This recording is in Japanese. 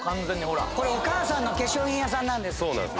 お母さんの化粧品屋さんなんです。